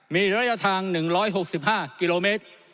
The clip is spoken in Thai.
มีระยะทาง๑๖๕กิโลเมตร